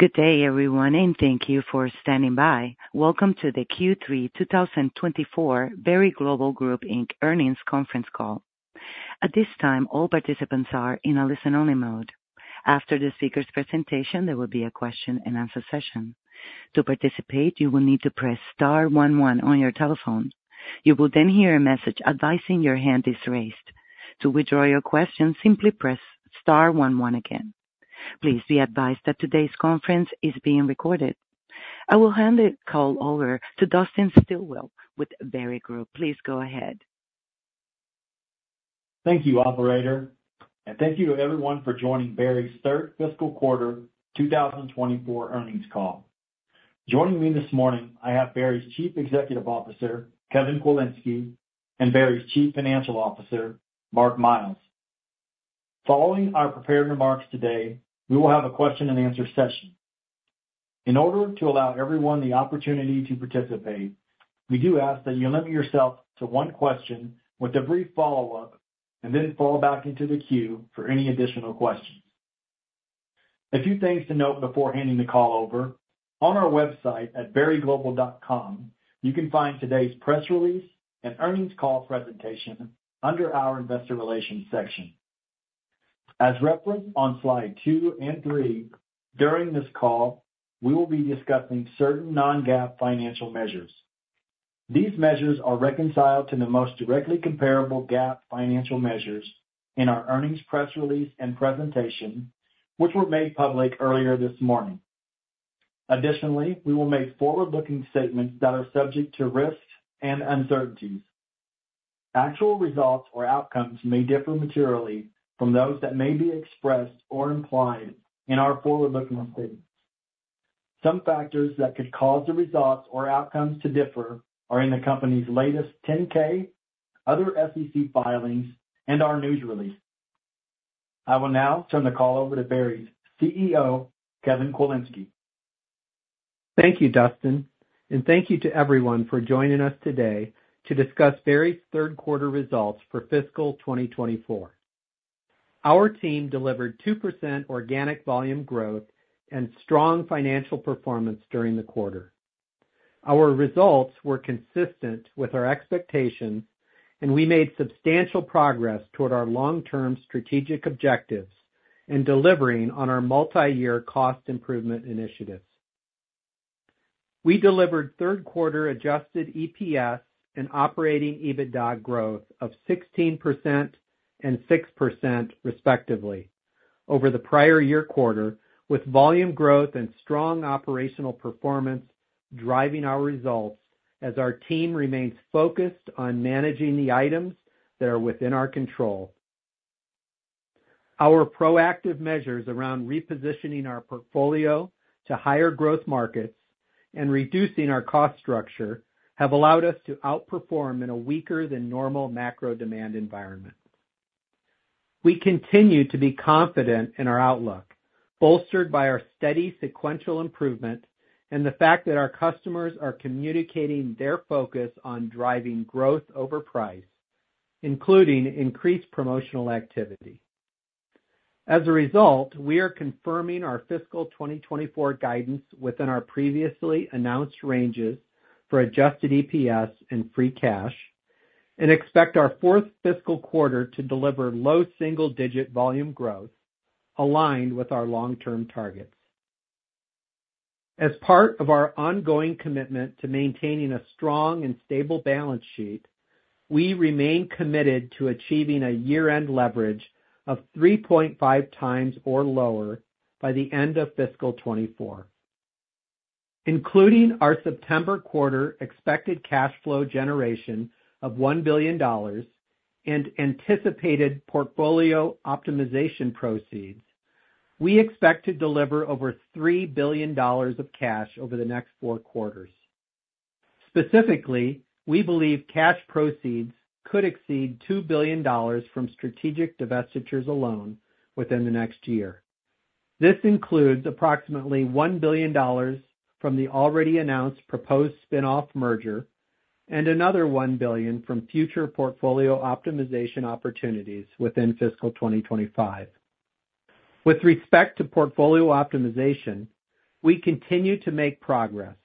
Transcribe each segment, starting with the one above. Good day, everyone, and thank you for standing by. Welcome to the Q3 2024 Berry Global Group Inc. Earnings Conference Call. At this time, all participants are in a listen-only mode. After the speaker's presentation, there will be a question-and-answer session. To participate, you will need to press star one one on your telephone. You will then hear a message advising your hand is raised. To withdraw your question, simply press star one one again. Please be advised that today's conference is being recorded. I will hand the call over to Dustin Stilwell with Berry Global Group. Please go ahead. Thank you, operator, and thank you to everyone for joining Berry's Third Fiscal Quarter 2024 Earnings Call. Joining me this morning, I have Berry's Chief Executive Officer, Kevin Kwilinski, and Berry's Chief Financial Officer, Mark Miles. Following our prepared remarks today, we will have a question-and-answer session. In order to allow everyone the opportunity to participate, we do ask that you limit yourself to one question with a brief follow-up, and then fall back into the queue for any additional questions. A few things to note before handing the call over. On our website at berryglobal.com, you can find today's press release and earnings call presentation under our Investor Relations section. As referenced on slide two and three, during this call, we will be discussing certain non-GAAP financial measures. These measures are reconciled to the most directly comparable GAAP financial measures in our earnings press release and presentation, which were made public earlier this morning. Additionally, we will make forward-looking statements that are subject to risks and uncertainties. Actual results or outcomes may differ materially from those that may be expressed or implied in our forward-looking statements. Some factors that could cause the results or outcomes to differ are in the company's latest 10-K, other SEC filings, and our news release. I will now turn the call over to Berry's CEO, Kevin Kwilinski. Thank you, Dustin, and thank you to everyone for joining us today to discuss Berry's Third Quarter Results for Fiscal 2024. Our team delivered 2% organic volume growth and strong financial performance during the quarter. Our results were consistent with our expectations, and we made substantial progress toward our long-term strategic objectives in delivering on our multiyear cost improvement initiatives. We delivered third quarter adjusted EPS and operating EBITDA growth of 16% and 6%, respectively, over the prior year quarter, with volume growth and strong operational performance driving our results as our team remains focused on managing the items that are within our control. Our proactive measures around repositioning our portfolio to higher growth markets and reducing our cost structure have allowed us to outperform in a weaker than normal macro demand environment. We continue to be confident in our outlook, bolstered by our steady sequential improvement and the fact that our customers are communicating their focus on driving growth over price, including increased promotional activity. As a result, we are confirming our fiscal 2024 guidance within our previously announced ranges for adjusted EPS and free cash, and expect our fourth fiscal quarter to deliver low single-digit volume growth aligned with our long-term targets. As part of our ongoing commitment to maintaining a strong and stable balance sheet, we remain committed to achieving a year-end leverage of 3.5x or lower by the end of fiscal 2024. Including our September quarter expected cash flow generation of $1 billion and anticipated portfolio optimization proceeds, we expect to deliver over $3 billion of cash over the next four quarters. Specifically, we believe cash proceeds could exceed $2 billion from strategic divestitures alone within the next year. This includes approximately $1 billion from the already announced proposed spin-off merger and another $1 billion from future portfolio optimization opportunities within fiscal 2025. With respect to portfolio optimization, we continue to make progress.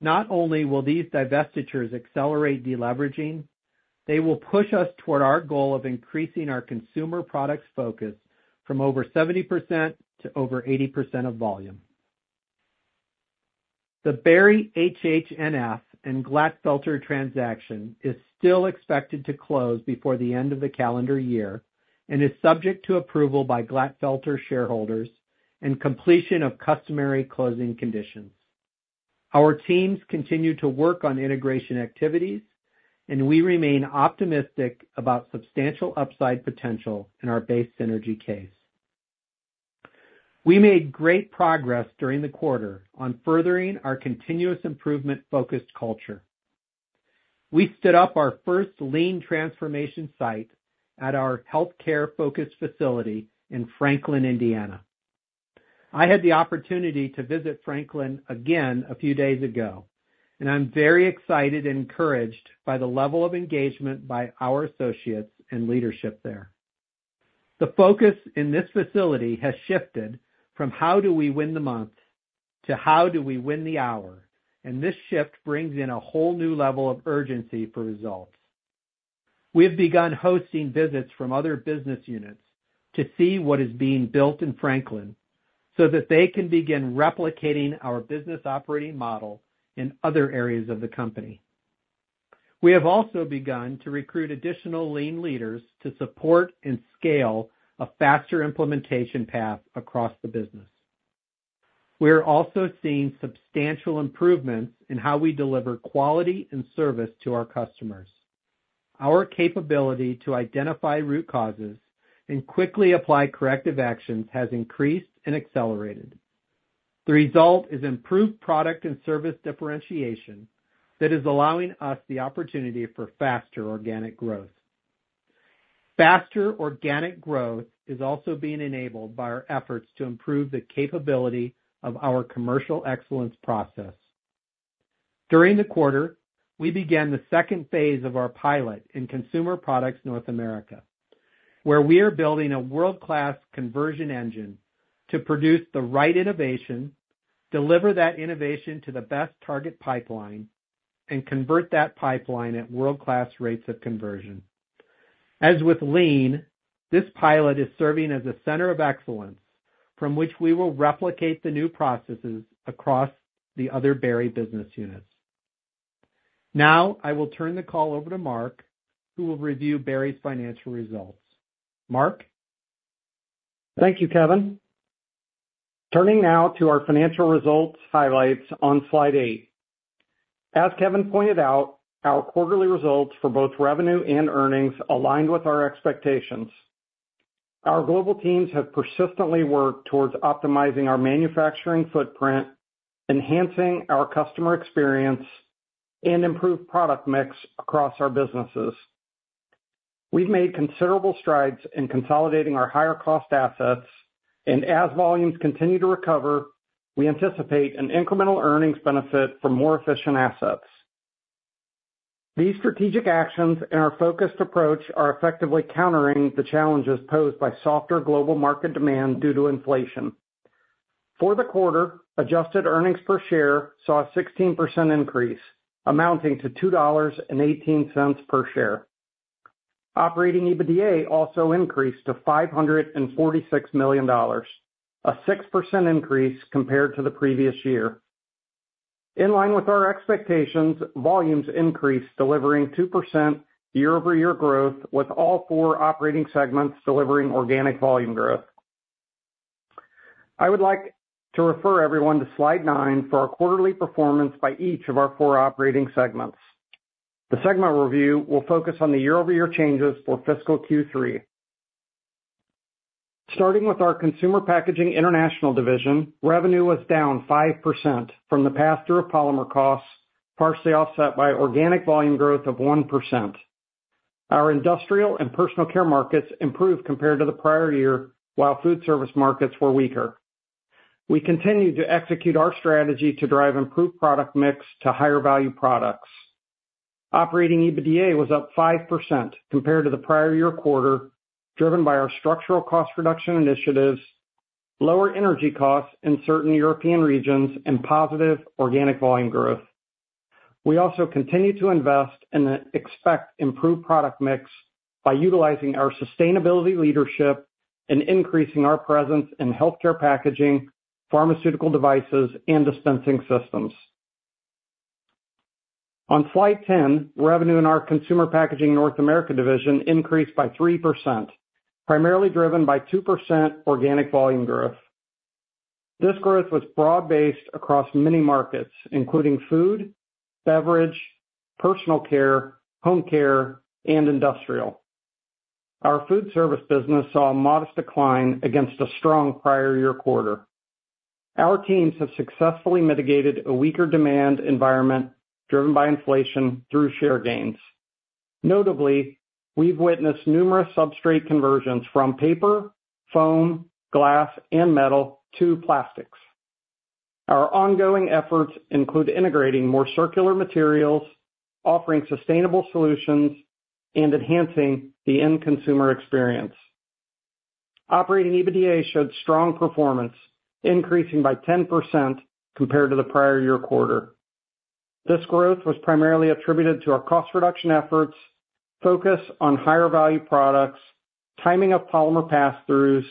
Not only will these divestitures accelerate deleveraging, they will push us toward our goal of increasing our consumer products focus from over 70% to over 80% of volume. The Berry HHNF and Glatfelter transaction is still expected to close before the end of the calendar year and is subject to approval by Glatfelter shareholders and completion of customary closing conditions. Our teams continue to work on integration activities, and we remain optimistic about substantial upside potential in our base synergy case. We made great progress during the quarter on furthering our continuous improvement-focused culture. We stood up our first Lean transformation site at our healthcare-focused facility in Franklin, Indiana. I had the opportunity to visit Franklin again a few days ago, and I'm very excited and encouraged by the level of engagement by our associates and leadership there. The focus in this facility has shifted from how do we win the month to how do we win the hour, and this shift brings in a whole new level of urgency for results. We have begun hosting visits from other business units to see what is being built in Franklin, so that they can begin replicating our business operating model in other areas of the company. We have also begun to recruit additional Lean leaders to support and scale a faster implementation path across the business. We are also seeing substantial improvements in how we deliver quality and service to our customers. Our capability to identify root causes and quickly apply corrective actions has increased and accelerated. The result is improved product and service differentiation that is allowing us the opportunity for faster organic growth. Faster organic growth is also being enabled by our efforts to improve the capability of our commercial excellence process. During the quarter, we began the second phase of our pilot in Consumer Packaging North America, where we are building a world-class conversion engine to produce the right innovation, deliver that innovation to the best target pipeline, and convert that pipeline at world-class rates of conversion. As with Lean, this pilot is serving as a center of excellence from which we will replicate the new processes across the other Berry business units. Now, I will turn the call over to Mark, who will review Berry's financial results. Mark? Thank you, Kevin. Turning now to our financial results highlights on slide eight. As Kevin pointed out, our quarterly results for both revenue and earnings aligned with our expectations. Our global teams have persistently worked towards optimizing our manufacturing footprint, enhancing our customer experience, and improved product mix across our businesses. We've made considerable strides in consolidating our higher cost assets, and as volumes continue to recover, we anticipate an incremental earnings benefit from more efficient assets. These strategic actions and our focused approach are effectively countering the challenges posed by softer global market demand due to inflation. For the quarter, adjusted earnings per share saw a 16% increase, amounting to $2.18 per share. Operating EBITDA also increased to $546 million, a 6% increase compared to the previous year. In line with our expectations, volumes increased, delivering 2% year-over-year growth, with all four operating segments delivering organic volume growth. I would like to refer everyone to slide nine for our quarterly performance by each of our four operating segments. The segment review will focus on the year-over-year changes for fiscal Q3. Starting with our Consumer Packaging International division, revenue was down 5% from the pass-through of polymer costs, partially offset by organic volume growth of 1%. Our industrial and personal care markets improved compared to the prior year, while food service markets were weaker. We continued to execute our strategy to drive improved product mix to higher value products. Operating EBITDA was up 5% compared to the prior year quarter, driven by our structural cost reduction initiatives, lower energy costs in certain European regions, and positive organic volume growth. We also continued to invest and expect improved product mix by utilizing our sustainability leadership and increasing our presence in healthcare packaging, pharmaceutical devices, and dispensing systems. On slide 10, revenue in our Consumer Packaging North America division increased by 3%, primarily driven by 2% organic volume growth. This growth was broad-based across many markets, including food, beverage, personal care, home care, and industrial. Our food service business saw a modest decline against a strong prior-year quarter. Our teams have successfully mitigated a weaker demand environment driven by inflation through share gains. Notably, we've witnessed numerous substrate conversions from paper, foam, glass, and metal to plastics. Our ongoing efforts include integrating more circular materials, offering sustainable solutions, and enhancing the end consumer experience. Operating EBITDA showed strong performance, increasing by 10% compared to the prior year quarter. This growth was primarily attributed to our cost reduction efforts, focus on higher value products, timing of polymer pass-throughs,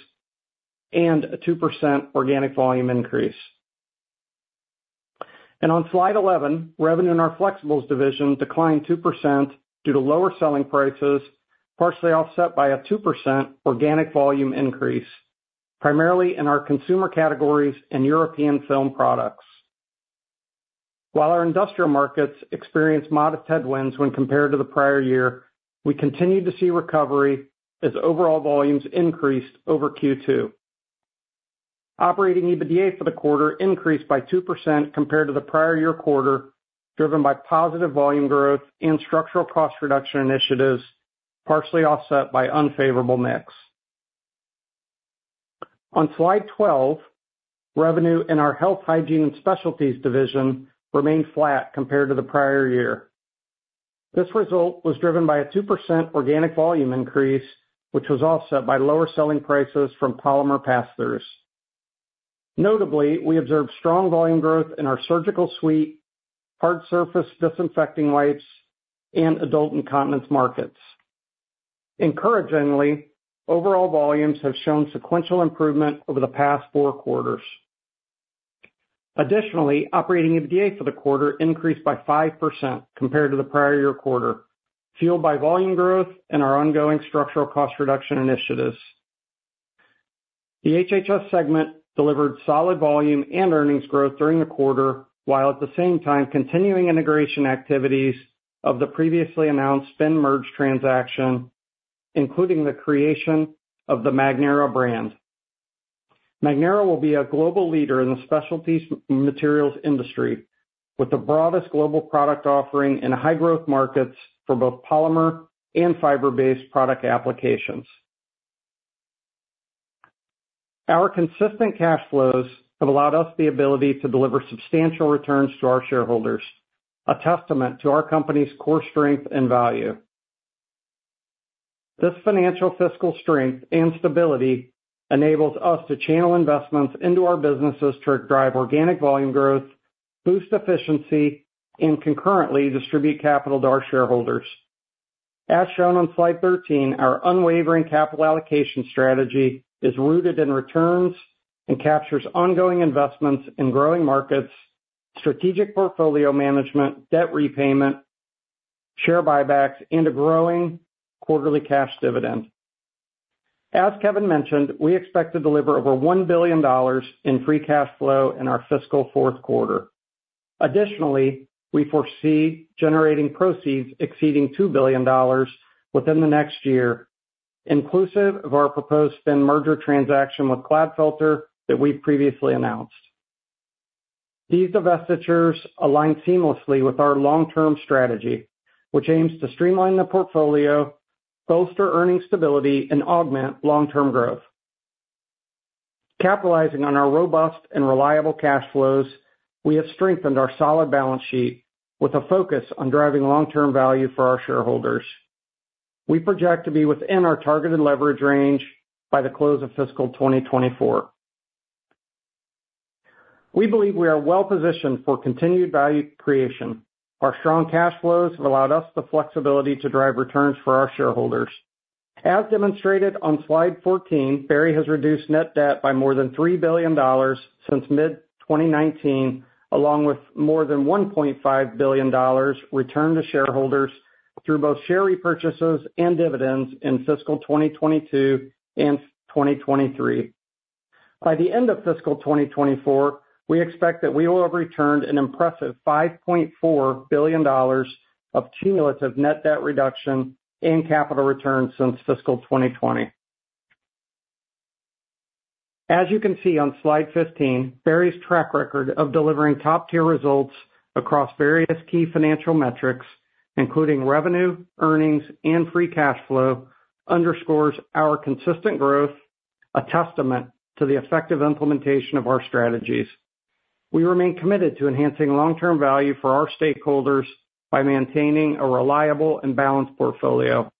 and a 2% organic volume increase. On slide 11, revenue in our Flexibles division declined 2% due to lower selling prices, partially offset by a 2% organic volume increase, primarily in our consumer categories and European film products. While our industrial markets experienced modest headwinds when compared to the prior year, we continued to see recovery as overall volumes increased over Q2. Operating EBITDA for the quarter increased by 2% compared to the prior year quarter, driven by positive volume growth and structural cost reduction initiatives, partially offset by unfavorable mix. On slide 12, revenue in our Health, Hygiene, and Specialties division remained flat compared to the prior year. This result was driven by a 2% organic volume increase, which was offset by lower selling prices from polymer pass-throughs. Notably, we observed strong volume growth in our surgical suite, hard surface disinfecting wipes, and adult incontinence markets. Encouragingly, overall volumes have shown sequential improvement over the past four quarters. Additionally, operating EBITDA for the quarter increased by 5% compared to the prior year quarter, fueled by volume growth and our ongoing structural cost reduction initiatives. The HHNF segment delivered solid volume and earnings growth during the quarter, while at the same time, continuing integration activities of the previously announced spin-off merger transaction, including the creation of the Magnera brand. Magnera will be a global leader in the specialty materials industry, with the broadest global product offering in high-growth markets for both polymer and fiber-based product applications. Our consistent cash flows have allowed us the ability to deliver substantial returns to our shareholders, a testament to our company's core strength and value. This financial fiscal strength and stability enables us to channel investments into our businesses to drive organic volume growth, boost efficiency, and concurrently distribute capital to our shareholders. As shown on slide 13, our unwavering capital allocation strategy is rooted in returns and captures ongoing investments in growing markets, strategic portfolio management, debt repayment, share buybacks, and a growing quarterly cash dividend. As Kevin mentioned, we expect to deliver over $1 billion in Free Cash Flow in our fiscal fourth quarter. Additionally, we foresee generating proceeds exceeding $2 billion within the next year, inclusive of our proposed spin merger transaction with Glatfelter that we previously announced. These divestitures align seamlessly with our long-term strategy, which aims to streamline the portfolio, bolster earnings stability, and augment long-term growth. Capitalizing on our robust and reliable cash flows, we have strengthened our solid balance sheet with a focus on driving long-term value for our shareholders. We project to be within our targeted leverage range by the close of fiscal 2024. We believe we are well-positioned for continued value creation. Our strong cash flows have allowed us the flexibility to drive returns for our shareholders. As demonstrated on slide 14, Berry has reduced net debt by more than $3 billion since mid-2019, along with more than $1.5 billion returned to shareholders through both share repurchases and dividends in fiscal 2022 and 2023. By the end of fiscal 2024, we expect that we will have returned an impressive $5.4 billion of cumulative net debt reduction and capital returns since fiscal 2020. As you can see on slide 15, Berry's track record of delivering top-tier results across various key financial metrics, including revenue, earnings, and free cash flow, underscores our consistent growth, a testament to the effective implementation of our strategies. We remain committed to enhancing long-term value for our stakeholders by maintaining a reliable and balanced portfolio.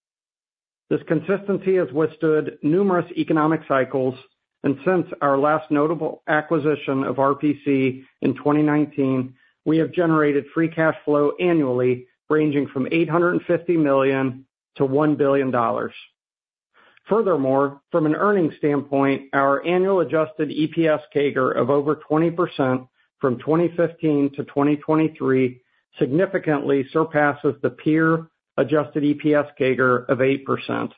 This consistency has withstood numerous economic cycles, and since our last notable acquisition of RPC in 2019, we have generated free cash flow annually, ranging from $850 million-$1 billion. Furthermore, from an earnings standpoint, our annual adjusted EPS CAGR of over 20% from 2015 to 2023 significantly surpasses the peer adjusted EPS CAGR of 8%.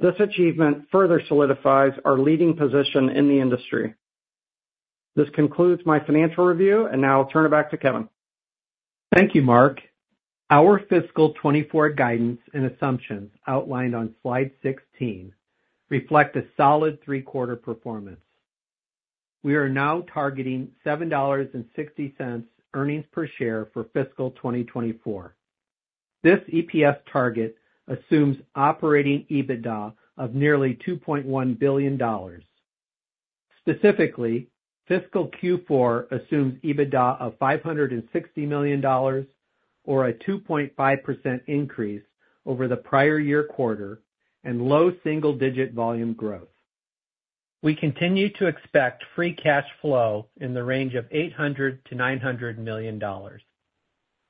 This achievement further solidifies our leading position in the industry. This concludes my financial review, and now I'll turn it back to Kevin. Thank you, Mark. Our fiscal 2024 guidance and assumptions outlined on Slide 16 reflect a solid three-quarter performance. We are now targeting $7.60 earnings per share for fiscal 2024. This EPS target assumes operating EBITDA of nearly $2.1 billion. Specifically, fiscal Q4 assumes EBITDA of $560 million, or a 2.5% increase over the prior year quarter, and low single-digit volume growth. We continue to expect free cash flow in the range of $800 million-$900 million.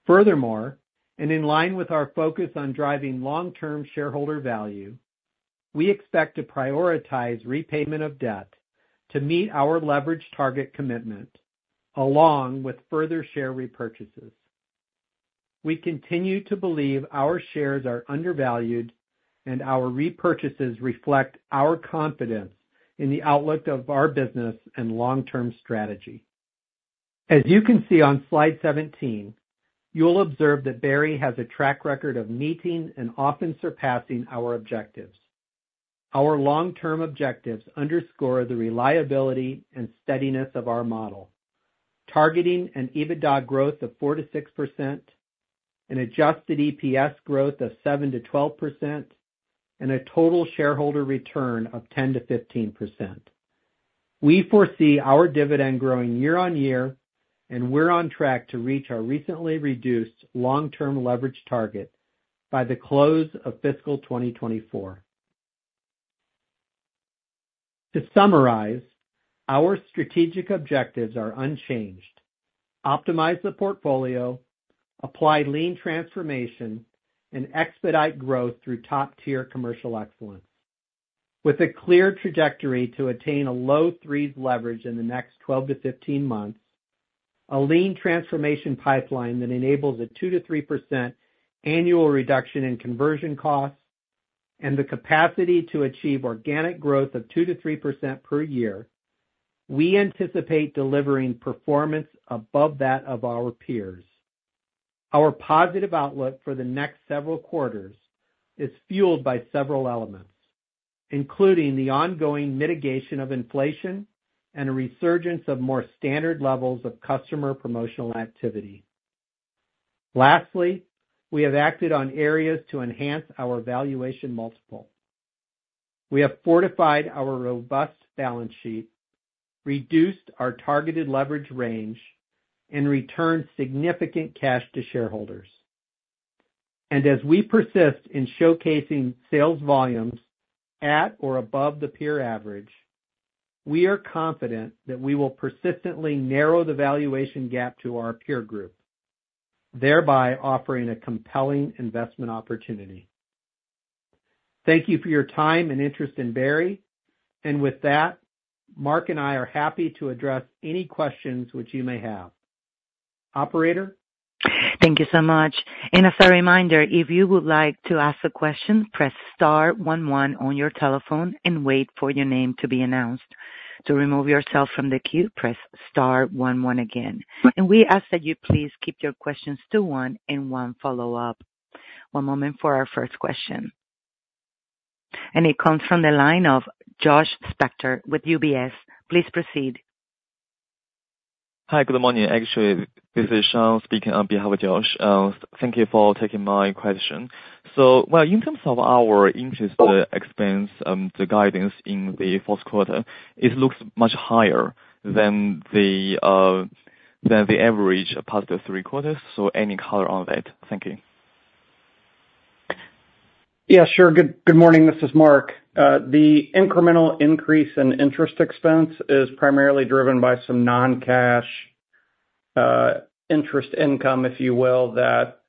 Furthermore, and in line with our focus on driving long-term shareholder value, we expect to prioritize repayment of debt to meet our leverage target commitment, along with further share repurchases. We continue to believe our shares are undervalued, and our repurchases reflect our confidence in the outlook of our business and long-term strategy. As you can see on slide 17, you will observe that Berry has a track record of meeting and often surpassing our objectives. Our long-term objectives underscore the reliability and steadiness of our model, targeting an EBITDA growth of 4%-6%, an adjusted EPS growth of 7%-12%, and a total shareholder return of 10%-15%. We foresee our dividend growing year-on-year, and we're on track to reach our recently reduced long-term leverage target by the close of fiscal 2024. To summarize, our strategic objectives are unchanged: optimize the portfolio, apply Lean transformation, and expedite growth through top-tier commercial excellence. With a clear trajectory to attain a low threes leverage in the next 12-15 months, a Lean transformation pipeline that enables a 2%-3% annual reduction in conversion costs, and the capacity to achieve organic growth of 2%-3% per year, we anticipate delivering performance above that of our peers. Our positive outlook for the next several quarters is fueled by several elements, including the ongoing mitigation of inflation and a resurgence of more standard levels of customer promotional activity. Lastly, we have acted on areas to enhance our valuation multiple. We have fortified our robust balance sheet, reduced our targeted leverage range, and returned significant cash to shareholders. And as we persist in showcasing sales volumes at or above the peer average, we are confident that we will persistently narrow the valuation gap to our peer group, thereby offering a compelling investment opportunity. Thank you for your time and interest in Berry. And with that, Mark and I are happy to address any questions which you may have. Operator? Thank you so much. As a reminder, if you would like to ask a question, press star one one on your telephone and wait for your name to be announced. To remove yourself from the queue, press star one one again. We ask that you please keep your questions to one and one follow-up. One moment for our first question. It comes from the line of Sean with UBS. Please proceed. Hi, good morning. Actually, this is Sean speaking on behalf of Josh. Thank you for taking my question. So well, in terms of our interest expense, the guidance in the fourth quarter, it looks much higher than the average past three quarters. So any color on that? Thank you. Yeah, sure. Good morning, this is Mark. The incremental increase in interest expense is primarily driven by some non-cash interest income, if you will, that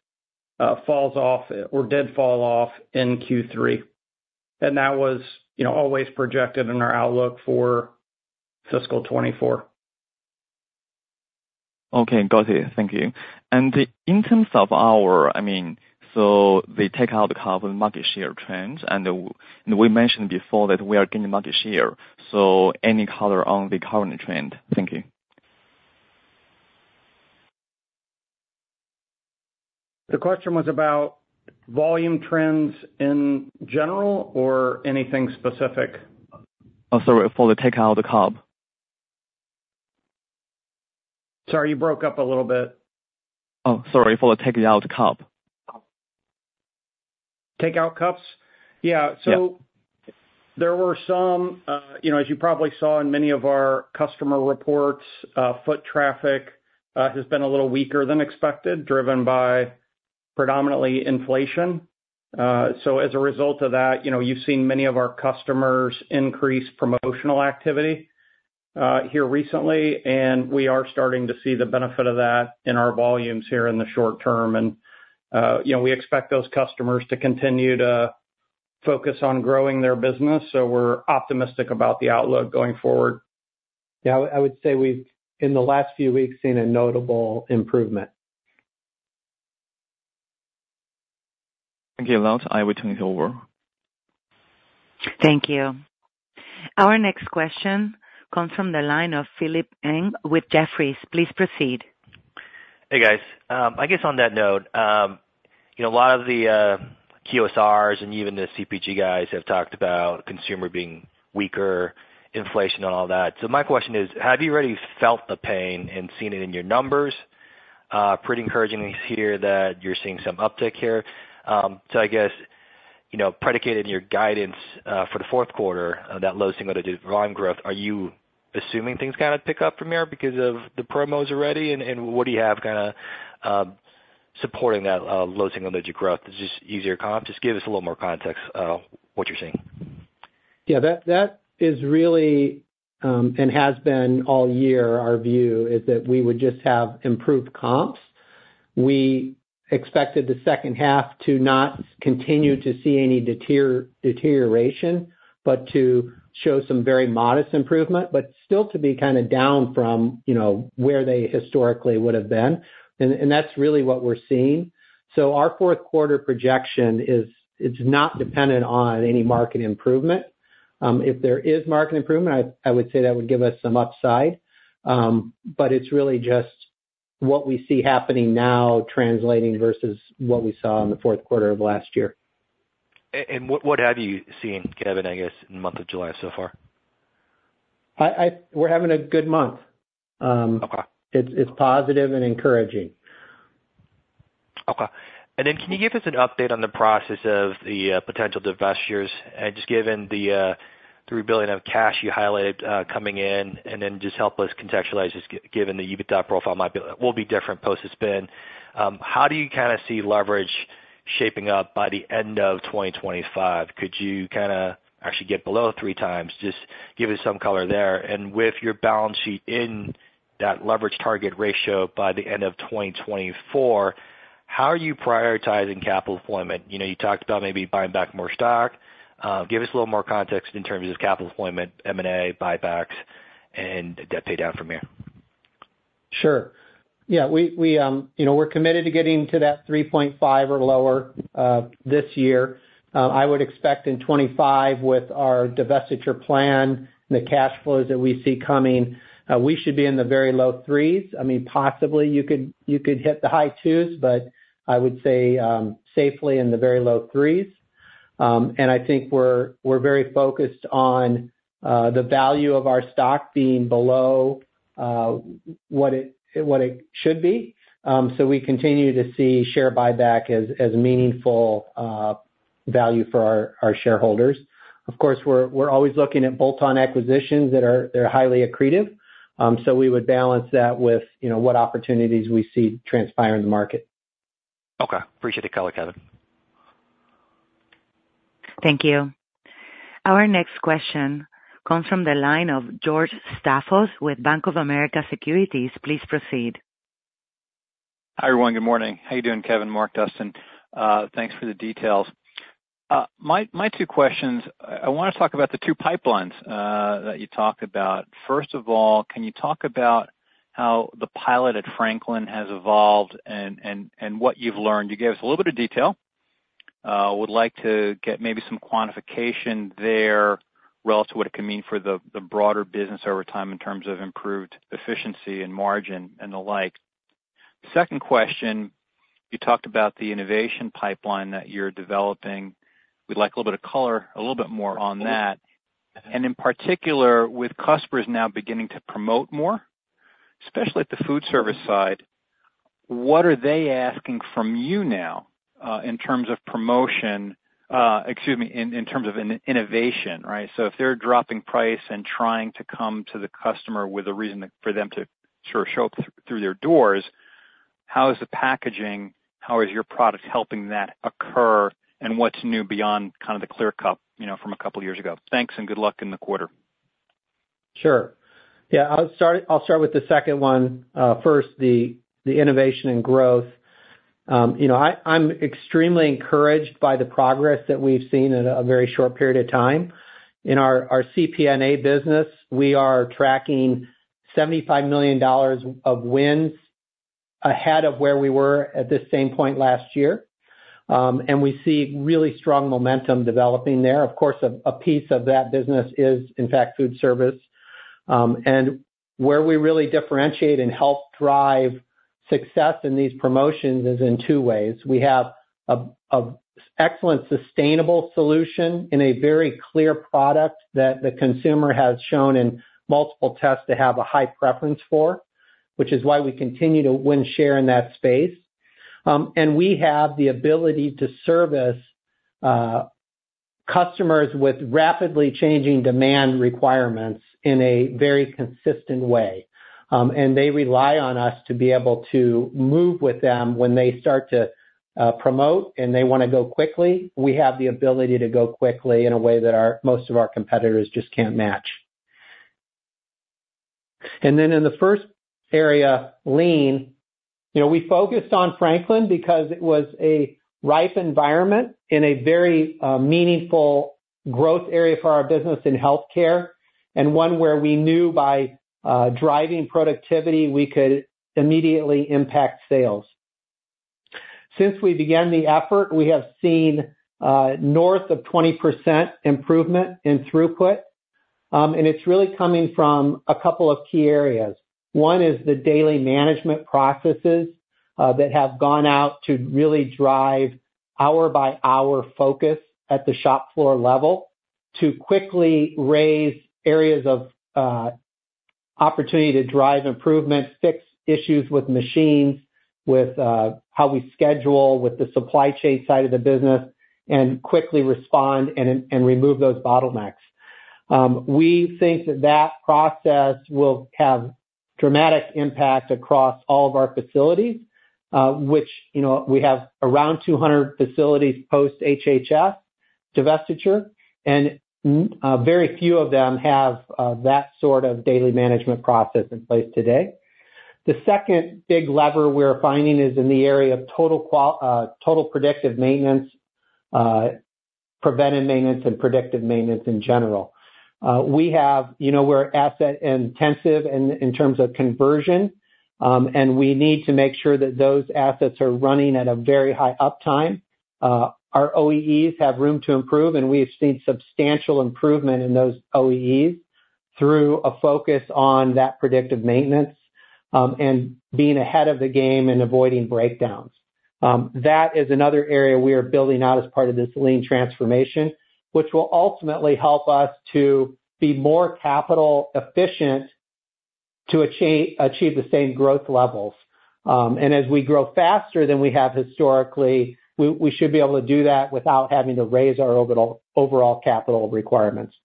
falls off or did fall off in Q3. And that was, you know, always projected in our outlook for fiscal 2024. Okay, got it. Thank you. In terms of our, I mean, so the take-out cup market share trends, and we mentioned before that we are gaining market share. So any color on the current trend? Thank you. The question was about volume trends in general or anything specific? Oh, sorry, for the take-out cup. Sorry, you broke up a little bit. Oh, sorry, for the take-out the cup. Take-out cups? Yeah. Yeah, so there were some. You know, as you probably saw in many of our customer reports, foot traffic has been a little weaker than expected, driven by predominantly inflation. So as a result of that, you've seen many of our customers increase promotional activity here recently, and we are starting to see the benefit of that in our volumes here in the short term. And you know, we expect those customers to continue to focus on growing their business, so we're optimistic about the outlook going forward. Yeah, I would say we've, in the last few weeks, seen a notable improvement. Thank you a lot. I will turn it over. Thank you. Our next question comes from the line of Philip Ng with Jefferies. Please proceed. Hey, guys. I guess on that note, you know, a lot of the, QSRs and even the CPG guys have talked about consumer being weaker, inflation and all that. So my question is: Have you already felt the pain and seen it in your numbers? Pretty encouraging to hear that you're seeing some uptick here. So I guess, you know, predicated in your guidance, for the fourth quarter, that low single-digit volume growth, are you assuming things kind of pick up from here because of the promos already, and, and what do you have kinda, supporting that, low single-digit growth? Is this easier comp? Just give us a little more context on what you're seeing. Yeah, that is really, and has been all year, our view, is that we would just have improved comps. We expected the second half to not continue to see any deterioration, but to show some very modest improvement, but still to be kinda down from, you know, where they historically would have been. And, that's really what we're seeing. So our fourth quarter projection is, it's not dependent on any market improvement. If there is market improvement, I would say that would give us some upside, but it's really just what we see happening now translating versus what we saw in the fourth quarter of last year. What have you seen, Kevin, I guess, in the month of July so far? We're having a good month. Okay. It's positive and encouraging. Okay. And then can you give us an update on the process of the potential divestitures? And just given the $3 billion of cash you highlighted coming in, and then just help us contextualize, just given the EBITDA profile might be, will be different post the spin. How do you kind of see leverage shaping up by the end of 2025? Could you kind of actually get below 3x? Just give us some color there. And with your balance sheet in that leverage target ratio by the end of 2024, how are you prioritizing capital deployment? You know, you talked about maybe buying back more stock. Give us a little more context in terms of capital deployment, M&A, buybacks, and debt pay down from here. Sure. Yeah, we're committed to getting to that 3.5 or lower this year. I would expect in 2025, with our divestiture plan and the cash flows that we see coming, we should be in the very low threes. I mean, possibly you could hit the high twos, but I would say safely in the very low threes. And I think we're very focused on the value of our stock being below what it should be. So we continue to see share buyback as meaningful value for our shareholders. Of course, we're always looking at bolt-on acquisitions that are highly accretive. So we would balance that with, what opportunities we see transpire in the market. Okay. Appreciate the color, Kevin. Thank you. Our next question comes from the line of George Staphos with Bank of America Securities. Please proceed. Hi, everyone. Good morning. How you doing, Kevin, Mark, Dustin? Thanks for the details. My two questions, I wanna talk about the two pipelines that you talked about. First of all, can you talk about how the pilot at Franklin has evolved and what you've learned? You gave us a little bit of detail. Would like to get maybe some quantification there relative to what it could mean for the broader business over time in terms of improved efficiency and margin and the like. Second question, you talked about the innovation pipeline that you're developing. We'd like a little bit of color, a little bit more on that. And in particular, with customers now beginning to promote more, especially at the food service side, what are they asking from you now, in terms of promotion, excuse me, in terms of innovation, right? So if they're dropping price and trying to come to the customer with a reason for them to sort of show up through their doors, how is the packaging, how is your product helping that occur, and what's new beyond kind of the clear cup, you know, from a couple years ago? Thanks, and good luck in the quarter. Sure. Yeah, I'll start with the second one. First, the innovation and growth. You know, I'm extremely encouraged by the progress that we've seen in a very short period of time. In our CPNA business, we are tracking $75 million of wins ahead of where we were at this same point last year. And we see really strong momentum developing there. Of course, a piece of that business is, in fact, food service. And where we really differentiate and help drive success in these promotions is in two ways: We have a excellent sustainable solution and a very clear product that the consumer has shown in multiple tests to have a high preference for, which is why we continue to win share in that space. And we have the ability to service customers with rapidly changing demand requirements in a very consistent way. And they rely on us to be able to move with them when they start to promote, and they wanna go quickly. We have the ability to go quickly in a way that our most of our competitors just can't match. And then in the first area, lean, you know, we focused on Franklin because it was a ripe environment in a very meaningful growth area for our business in healthcare, and one where we knew by driving productivity, we could immediately impact sales. Since we began the effort, we have seen north of 20% improvement in throughput, and it's really coming from a couple of key areas. One is the daily management processes that have gone out to really drive hour-by-hour focus at the shop floor level to quickly raise areas of opportunity to drive improvement, fix issues with machines, with how we schedule, with the supply chain side of the business, and quickly respond and remove those bottlenecks. We think that process will have dramatic impact across all of our facilities, which, you know, we have around 200 facilities post HHNF divestiture, and very few of them have that sort of daily management process in place today. The second big lever we're finding is in the area of total predictive maintenance, preventive maintenance, and predictive maintenance in general. We have you know, we're asset intensive in terms of conversion, and we need to make sure that those assets are running at a very high uptime. Our OEEs have room to improve, and we have seen substantial improvement in those OEEs through a focus on that predictive maintenance, and being ahead of the game, and avoiding breakdowns. That is another area we are building out as part of this Lean transformation, which will ultimately help us to be more capital efficient to achieve the same growth levels. And as we grow faster than we have historically, we should be able to do that without having to raise our overall capital requirements.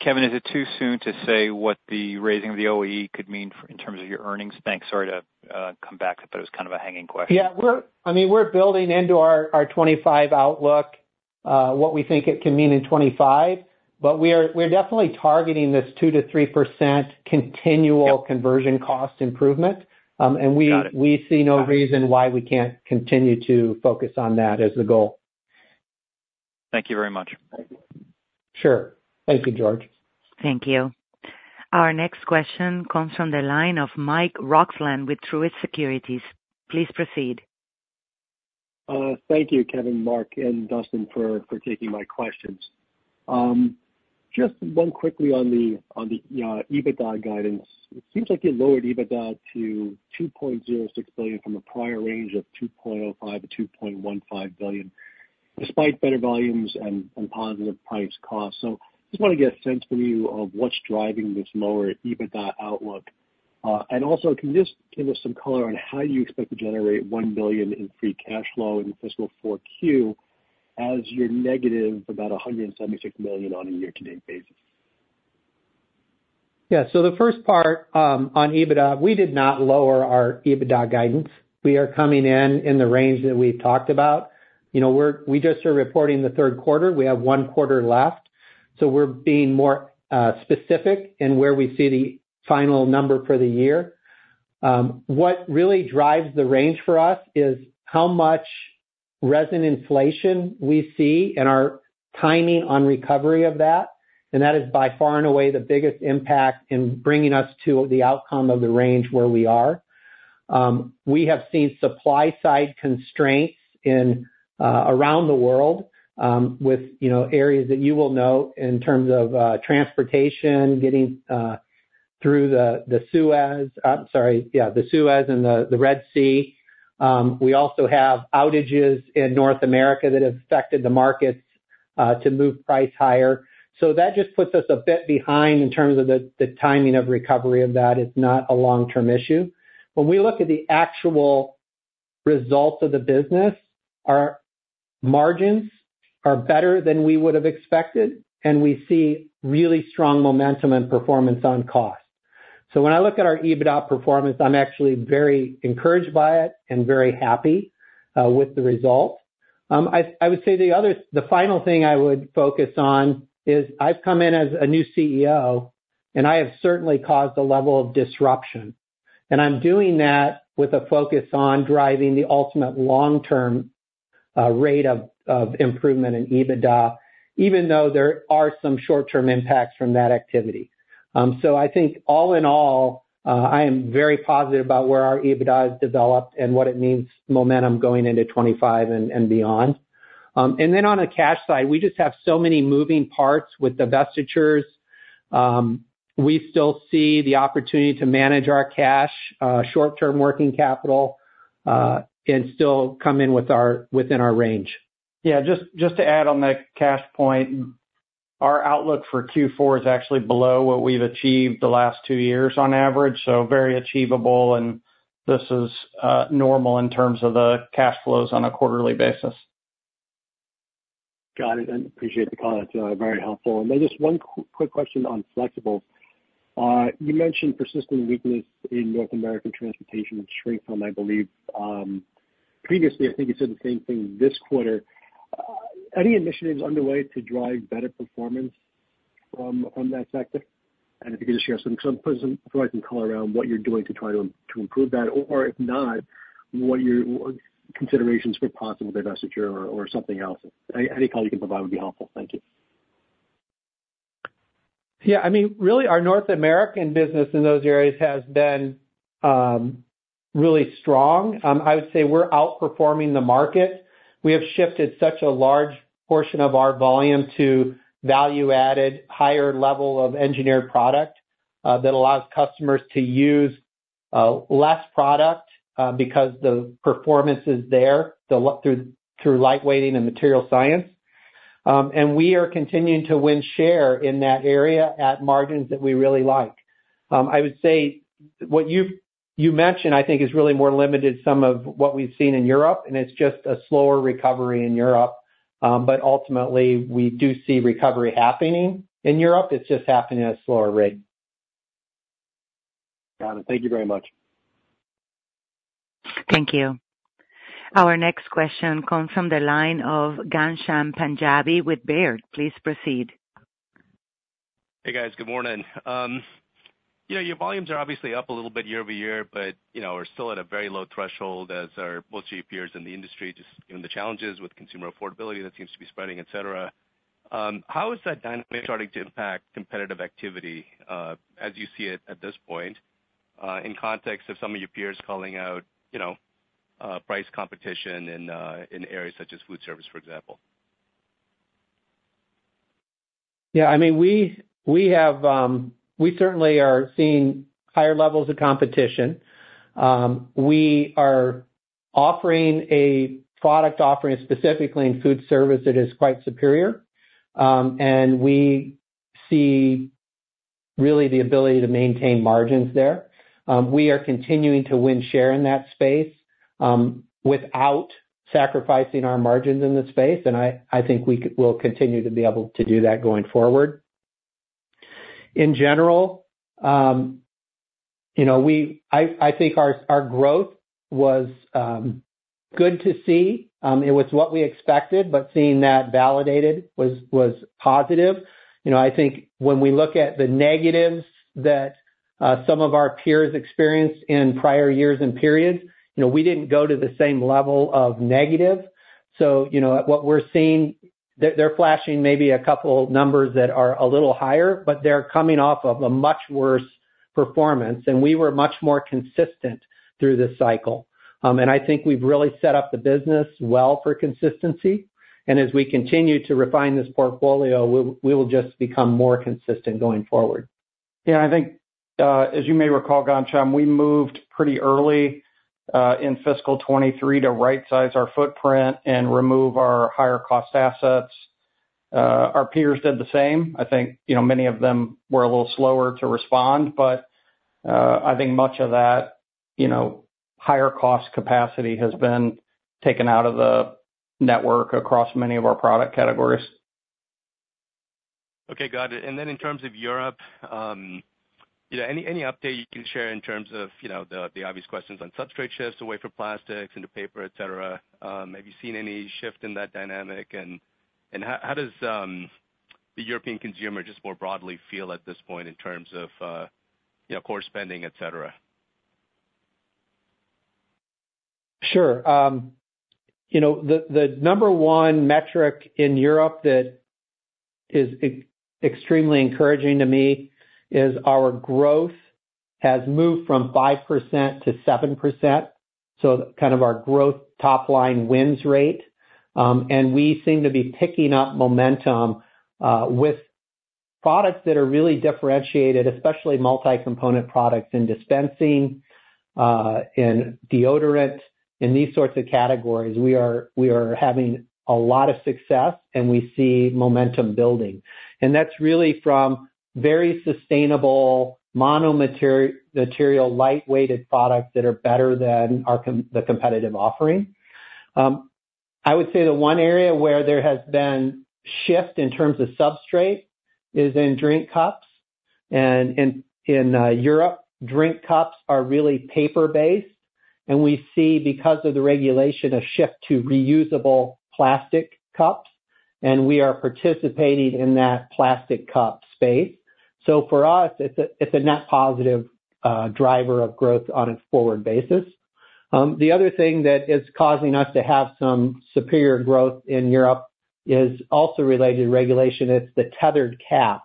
Kevin, is it too soon to say what the raising of the OEE could mean for in terms of your earnings? Thanks. Sorry to come back, but it was kind of a hanging question. Yeah, I mean, we're building into our 2025 outlook what we think it can mean in 2025. But we're definitely targeting this 2%-3% continual conversion cost improvement. And we- Got it. We see no reason why we can't continue to focus on that as the goal. Thank you very much. Sure. Thank you, George. Thank you. Our next question comes from the line of Mike Roxland with Truist Securities. Please proceed. Thank you, Kevin, Mark, and Dustin, for taking my questions. Just one quickly on the EBITDA guidance. It seems like you lowered EBITDA to $2.06 billion from a prior range of $2.05-$2.15 billion, despite better volumes and positive price costs. So just want to get a sense from you of what's driving this lower EBITDA outlook. And also, can you just give us some color on how you expect to generate $1 billion in free cash flow in fiscal 4Q, as you're negative about $176 million on a year-to-date basis? Yeah. So the first part, on EBITDA, we did not lower our EBITDA guidance. We are coming in the range that we've talked about. You know, we're just reporting the third quarter. We have one quarter left, so we're being more specific in where we see the final number for the year. What really drives the range for us is how much resin inflation we see and our timing on recovery of that, and that is by far and away the biggest impact in bringing us to the outcome of the range where we are. We have seen supply side constraints around the world, with, you know, areas that you will know in terms of transportation, getting through the Suez and the Red Sea. We also have outages in North America that have affected the markets to move price higher. So that just puts us a bit behind in terms of the timing of recovery of that. It's not a long-term issue. When we look at the actual results of the business, our margins are better than we would've expected, and we see really strong momentum and performance on cost. So when I look at our EBITDA performance, I'm actually very encouraged by it and very happy with the result. I would say the final thing I would focus on is I've come in as a new CEO, and I have certainly caused a level of disruption, and I'm doing that with a focus on driving the ultimate long-term rate of improvement in EBITDA, even though there are some short-term impacts from that activity. So I think all in all, I am very positive about where our EBITDA has developed and what it means, momentum going into 2025 and beyond. And then on the cash side, we just have so many moving parts with divestitures. We still see the opportunity to manage our cash, short-term working capital, and still come in within our range. Yeah, just, just to add on the cash point, our outlook for Q4 is actually below what we've achieved the last two years on average, so very achievable, and this is normal in terms of the cash flows on a quarterly basis. Got it, and appreciate the call. It's very helpful. And then just one quick question on Flexible. You mentioned persistent weakness in North American transportation and shrink film, I believe. Previously, I think you said the same thing this quarter. Any initiatives underway to drive better performance from that sector? And if you could just share some, provide some color around what you're doing to try to improve that, or if not, what your considerations for possible divestiture or something else. Any color you can provide would be helpful. Thank you. Yeah, I mean, really, our North American business in those areas has been really strong. I would say we're outperforming the market. We have shifted such a large portion of our volume to value-added, higher level of engineered product that allows customers to use less product because the performance is there through lightweighting and material science. And we are continuing to win share in that area at margins that we really like. I would say what you've mentioned, I think, is really more limited some of what we've seen in Europe, and it's just a slower recovery in Europe. But ultimately, we do see recovery happening in Europe. It's just happening at a slower rate. Got it. Thank you very much. Thank you. Our next question comes from the line of Ghansham Panjabi with Baird. Please proceed. Hey, guys. Good morning. Yeah, your volumes are obviously up a little bit year-over-year, but, you know, are still at a very low threshold, as are most of your peers in the industry, just given the challenges with consumer affordability that seems to be spreading, et cetera. How is that dynamic starting to impact competitive activity, as you see it at this point, in context of some of your peers calling out, you know, price competition in areas such as food service, for example? Yeah, I mean, we have--we certainly are seeing higher levels of competition. We are offering a product offering specifically in food service that is quite superior. And we see really the ability to maintain margins there. We are continuing to win share in that space, without sacrificing our margins in the space, and I think we'll continue to be able to do that going forward. In general, you know, I think our growth was good to see. It was what we expected, but seeing that validated was positive. You know, I think when we look at the negatives that some of our peers experienced in prior years and periods, you know, we didn't go to the same level of negative. So, you know, what we're seeing, they're flashing maybe a couple numbers that are a little higher, but they're coming off of a much worse performance, and we were much more consistent through this cycle. I think we've really set up the business well for consistency, and as we continue to refine this portfolio, we will just become more consistent going forward. Yeah, I think, as you may recall, Ghansham, we moved pretty early in fiscal 2023 to rightsize our footprint and remove our higher cost assets. Our peers did the same. I think, you know, many of them were a little slower to respond, but I think much of that, you know, higher cost capacity has been taken out of the network across many of our product categories. Okay, got it. And then in terms of Europe, you know, any update you can share in terms of, you know, the obvious questions on substrate shifts away from plastics into paper, et cetera? Have you seen any shift in that dynamic? And how does the European consumer just more broadly feel at this point in terms of, you know, core spending, et cetera? Sure. You know, the number one metric in Europe that is extremely encouraging to me is our growth has moved from 5%-7%, so kind of our growth top line wins rate. And we seem to be picking up momentum with products that are really differentiated, especially multi-component products in dispensing, in deodorant, in these sorts of categories, we are having a lot of success, and we see momentum building. And that's really from very sustainable mono material, light-weighted products that are better than the competitive offering. I would say the one area where there has been shift in terms of substrate is in drink cups. And in Europe, drink cups are really paper-based, and we see, because of the regulation, a shift to reusable plastic cups, and we are participating in that plastic cup space. So for us, it's a net positive driver of growth on a forward basis. The other thing that is causing us to have some superior growth in Europe is also related to regulation. It's the tethered cap.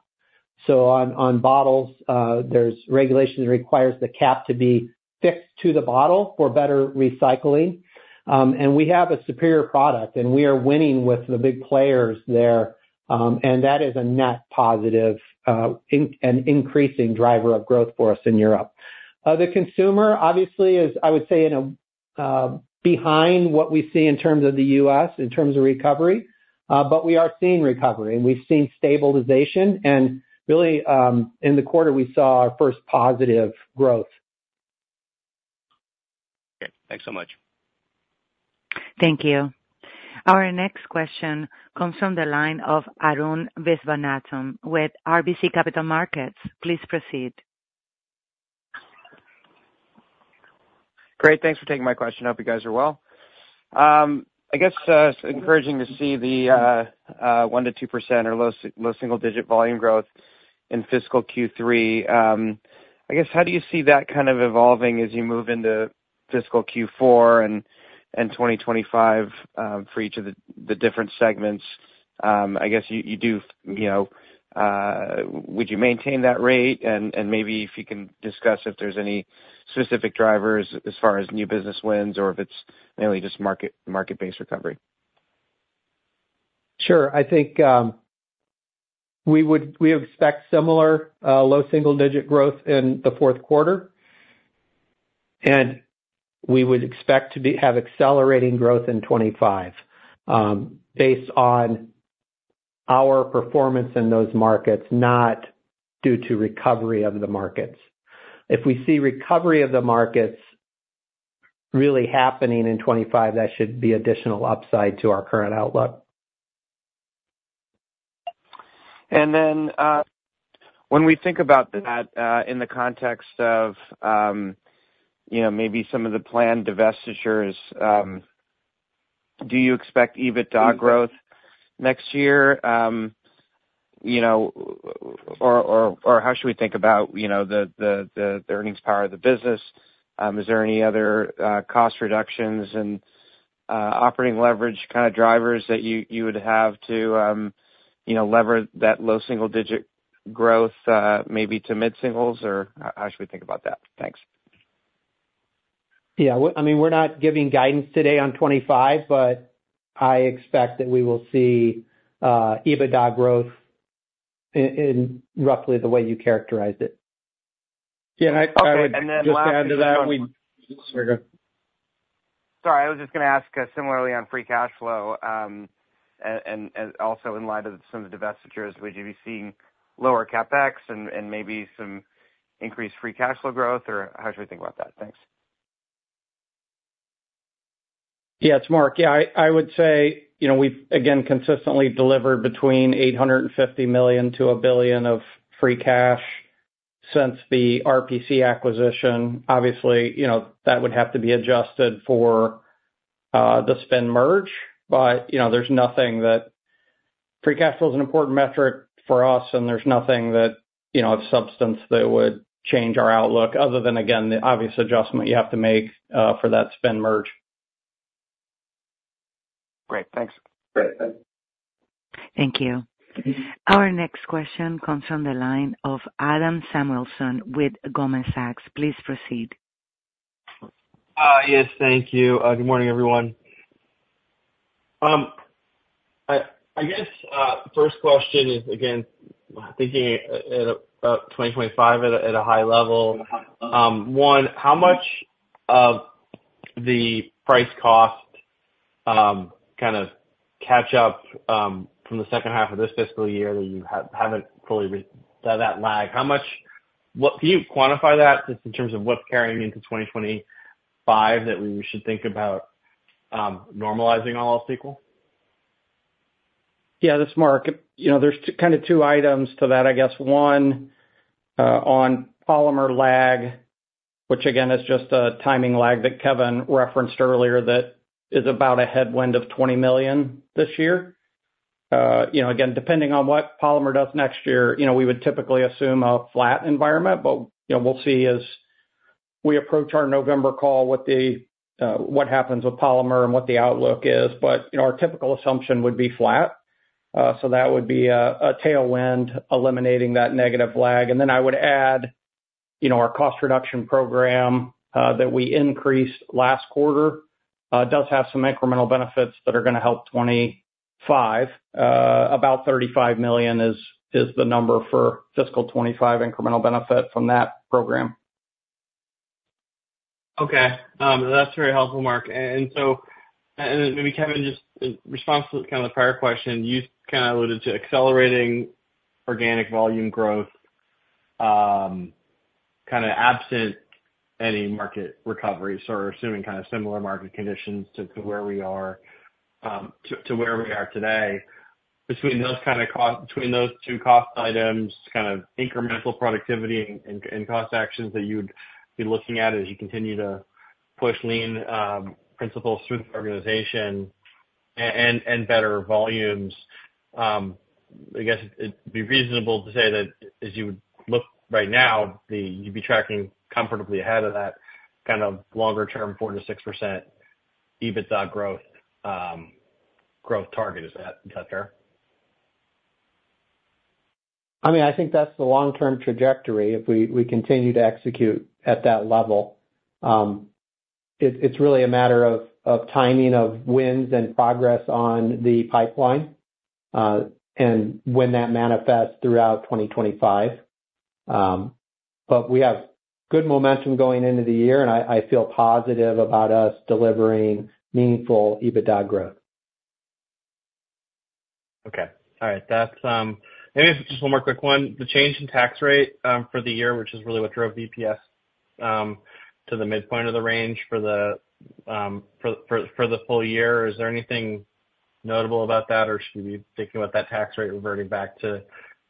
So on bottles, there's regulation that requires the cap to be fixed to the bottle for better recycling. And we have a superior product, and we are winning with the big players there, and that is a net positive, an increasing driver of growth for us in Europe. The consumer obviously is, I would say, behind what we see in terms of the U.S., in terms of recovery, but we are seeing recovery, and we've seen stabilization and really, in the quarter, we saw our first positive growth. Okay. Thanks so much. Thank you. Our next question comes from the line of Arun Viswanathan with RBC Capital Markets. Please proceed. Great, thanks for taking my question. I hope you guys are well. I guess it's encouraging to see the 1%-2% or low single digit volume growth in fiscal Q3. I guess, how do you see that kind of evolving as you move into fiscal Q4 and 2025, for each of the different segments? I guess you, you do, you know, would you maintain that rate? And maybe if you can discuss if there's any specific drivers as far as new business wins or if it's mainly just market, market-based recovery. Sure. I think, we would, we expect similar, low single-digit growth in the fourth quarter, and we would expect to have accelerating growth in 2025, based on our performance in those markets, not due to recovery of the markets. If we see recovery of the markets really happening in 2025, that should be additional upside to our current outlook. And then, when we think about that, in the context of, you know, maybe some of the planned divestitures, do you expect EBITDA growth next year? You know, or how should we think about, you know, the earnings power of the business? Is there any other cost reductions and operating leverage kind of drivers that you would have to leverage that low single digit growth, maybe to mid singles, or how should we think about that? Thanks. Yeah, well, I mean, we're not giving guidance today on 2025, but I expect that we will see EBITDA growth in roughly the way you characterized it. Yeah, I would just add to that- Okay, and then lastly- Sorry, go. Sorry, I was just going to ask, similarly on free cash flow, and also in light of some of the divestitures, would you be seeing lower CapEx and maybe some increased free cash flow growth, or how should we think about that? Thanks. Yeah, it's Mark. Yeah, I would say, you know, we've again, consistently delivered between $850 million-$1 billion of free cash since the RPC acquisition. Obviously, you know, that would have to be adjusted for the spin merge, but, you know, there's nothing that. Free cash flow is an important metric for us, and there's nothing that, you know, of substance that would change our outlook, other than, again, the obvious adjustment you have to make for that spin merge. Great, thanks. Great, thanks. Thank you. Our next question comes from the line of Adam Samuelson with Goldman Sachs. Please proceed. Yes, thank you. Good morning, everyone. I guess the first question is, again, thinking at 2025 at a high level. One, how much of the price cost kind of catch up from the second half of this fiscal year that you haven't fully re-that lag? How much--what -- can you quantify that, just in terms of what's carrying into 2025, that we should think about normalizing all else equal? Yeah, this is Mark. You know, there's kind of two items to that, I guess. One, on polymer lag, which again, is just a timing lag that Kevin referenced earlier, that is about a headwind of $20 million this year. You know, again, depending on what polymer does next year, you know, we would typically assume a flat environment, but, we'll see as we approach our November call, what the, what happens with polymer and what the outlook is. But, you know, our typical assumption would be flat. So that would be a tailwind eliminating that negative lag. And then I would add, you know, our cost reduction program, that we increased last quarter, does have some incremental benefits that are gonna help 2025. About $35 million is the number for fiscal 2025 incremental benefit from that program. Okay. That's very helpful, Mark. And maybe, Kevin, just in response to kind of the prior question, you kind of alluded to accelerating organic volume growth, kind of absent any market recovery. So, assuming kind of similar market conditions to where we are today. Between those two cost items, kind of incremental productivity and cost actions that you'd be looking at as you continue to push Lean principles through the organization and better volumes. I guess it'd be reasonable to say that as you look right now, you'd be tracking comfortably ahead of that kind of longer-term, 4%-6% EBITDA growth target. Is that fair? I mean, I think that's the long-term trajectory, if we continue to execute at that level. It's really a matter of timing, of wins and progress on the pipeline, and when that manifests throughout 2025. But we have good momentum going into the year, and I feel positive about us delivering meaningful EBITDA growth. Okay. All right. That's maybe just one more quick one. The change in tax rate for the year, which is really what drove EPS to the midpoint of the range for the full year. Is there anything notable about that, or should we be thinking about that tax rate reverting back to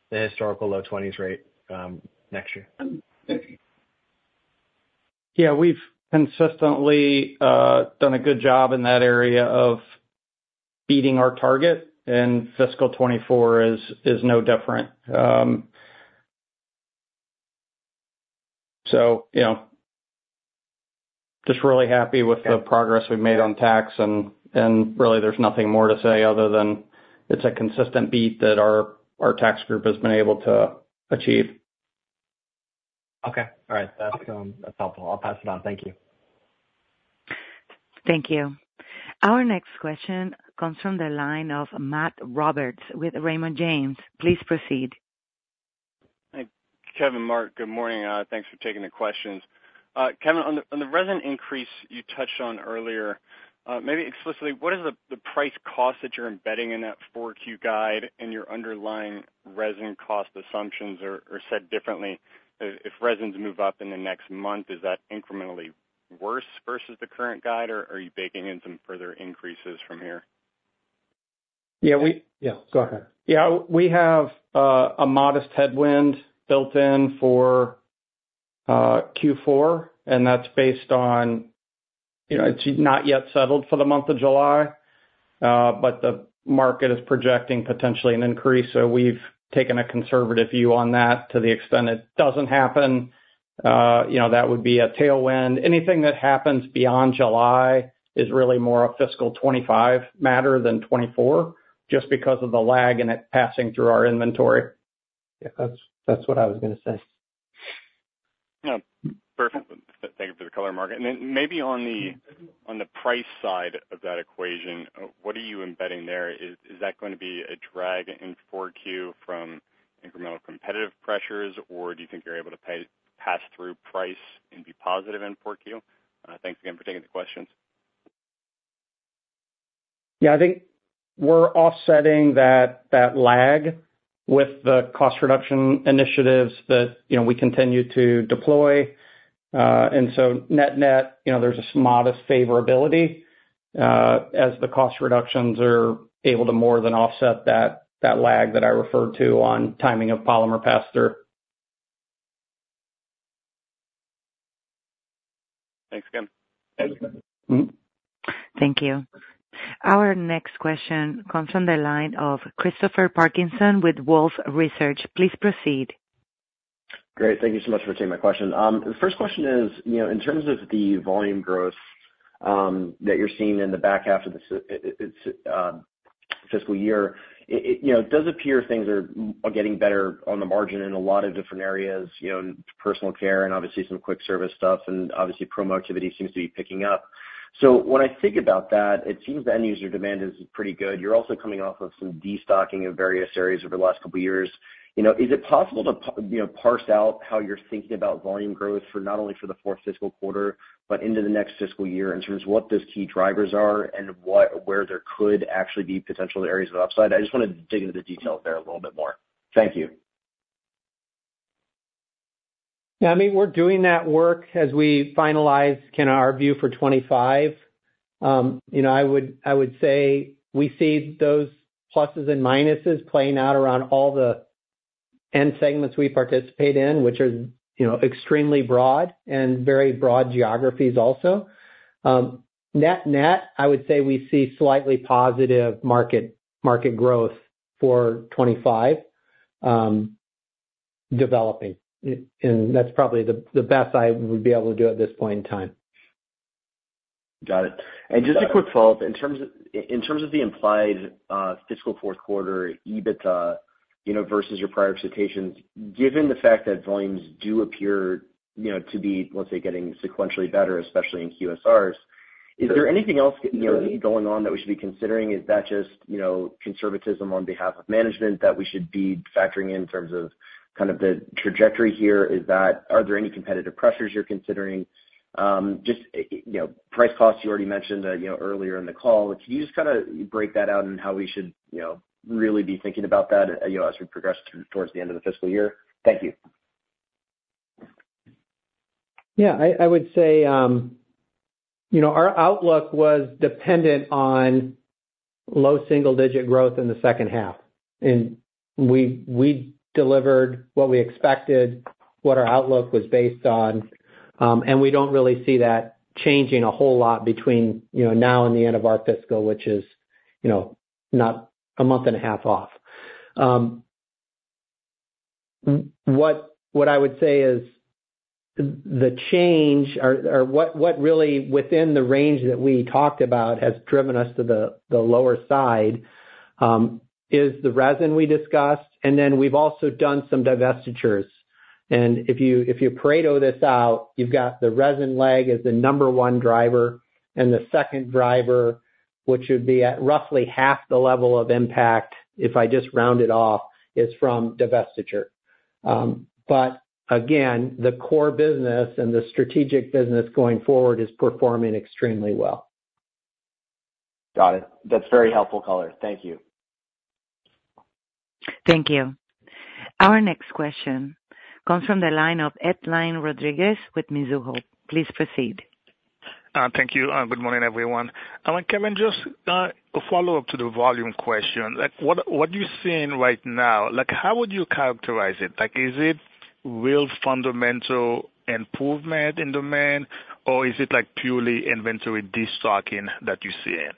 the historical low twenties rate next year? Yeah, we've consistently done a good job in that area of beating our target, and fiscal 2024 is no different. So, you know, just really happy with the progress we've made on tax, and really there's nothing more to say other than it's a consistent beat that our tax group has been able to achieve. Okay. All right. That's, that's helpful. I'll pass it on. Thank you. Thank you. Our next question comes from the line of Matt Roberts with Raymond James. Please proceed. Hi, Kevin, Mark, good morning. Thanks for taking the questions. Kevin, on the, on the resin increase you touched on earlier, maybe explicitly, what is the, the price cost that you're embedding in that 4Q guide and your underlying resin cost assumptions, or said differently, if resins move up in the next month, is that incrementally worse versus the current guide, or are you baking in some further increases from here? Yeah, we- Yeah, go ahead. Yeah, we have a modest headwind built in for Q4, and that's based on, you know, it's not yet settled for the month of July. But the market is projecting potentially an increase, so we've taken a conservative view on that. To the extent it doesn't happen, you know, that would be a tailwind. Anything that happens beyond July is really more a fiscal 2025 matter than 2024, just because of the lag in it passing through our inventory. Yeah, that's what I was gonna say. Yeah. Perfect. Thank you for the color market. And then maybe on the price side of that equation, what are you embedding there? Is that going to be a drag in 4Q from incremental competitive pressures, or do you think you're able to pass through price and be positive in 4Q? Thanks again for taking the questions. Yeah, I think we're offsetting that, that lag with the cost reduction initiatives that, you know, we continue to deploy. And so net-net, you know, there's a modest favorability, as the cost reductions are able to more than offset that lag that I referred to on timing of polymer pass-through. Thanks again. Thank you. Our next question comes from the line of Christopher Parkinson with Wolfe Research. Please proceed. Great. Thank you so much for taking my question. The first question is, you know, in terms of the volume growth, that you're seeing in the back half of the fiscal year, it, does appear things are getting better on the margin in a lot of different areas, you know, personal care and obviously some quick service stuff, and obviously, promo activity seems to be picking up. So when I think about that, it seems the end user demand is pretty good. You're also coming off of some destocking in various areas over the last couple of years. You know, is it possible to you know, parse out how you're thinking about volume growth for not only for the fourth fiscal quarter, but into the next fiscal year, in terms of what those key drivers are and what, where there could actually be potential areas of upside? I just wanna dig into the details there a little bit more. Thank you. Yeah, I mean, we're doing that work as we finalize, kind of, our view for 2025. You know, I would, I would say we see those pluses and minuses playing out around all the end segments we participate in, which are, you know, extremely broad and very broad geographies also. Net-net, I would say we see slightly positive market, market growth for 2025, developing. And that's probably the best I would be able to do at this point in time. Got it. Just a quick follow-up. In terms of, in terms of the implied fiscal fourth quarter EBITDA, you know, versus your prior expectations, given the fact that volumes do appear, you know, to be, let's say, getting sequentially better, especially in QSRs, is there anything else, you know, going on that we should be considering? Is that just, you know, conservatism on behalf of management that we should be factoring in terms of kind of the trajectory here? Is that, are there any competitive pressures you're considering? Just, you know, price costs, you already mentioned, you know, earlier in the call. Could you just kind of break that out and how we should, really be thinking about that, you know, as we progress through towards the end of the fiscal year? Thank you. Yeah, I would say, you know, our outlook was dependent on low single digit growth in the second half, and we delivered what we expected, what our outlook was based on, and we don't really see that changing a whole lot between, you know, now and the end of our fiscal, which is, not a month and a half off. What I would say is the change or what really within the range that we talked about has driven us to the lower side is the resin we discussed, and then we've also done some divestitures. If you, if you Pareto this out, you've got the resin lag as the number one driver, and the second driver, which would be at roughly half the level of impact, if I just round it off, is from divestiture. But again, the core business and the strategic business going forward is performing extremely well. Got it. That's very helpful color. Thank you. Thank you. Our next question comes from the line of Edlain Rodriguez with Mizuho. Please proceed. Thank you, and good morning, everyone. Kevin, just a follow-up to the volume question. Like, what, what are you seeing right now? Like, how would you characterize it? Like, is it real fundamental improvement in demand, or is it, like, purely inventory destocking that you're seeing?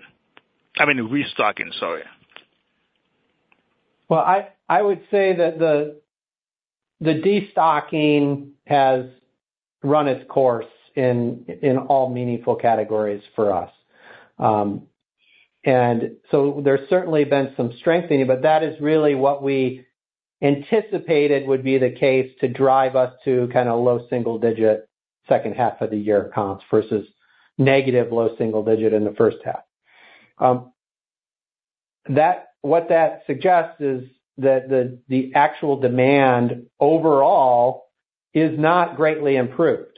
I mean, restocking, sorry. Well, I would say that the destocking has run its course in all meaningful categories for us. And so there's certainly been some strengthening, but that is really what we anticipated would be the case to drive us to kind of low single digit second half of the year comps, versus negative low-single-digit in the first half. That what that suggests is that the actual demand overall is not greatly improved,